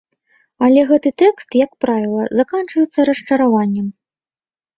Але гэты тэст, як правіла, заканчваецца расчараваннем.